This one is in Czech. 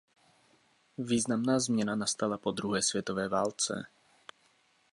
Významná změna nastala po druhé světové válce.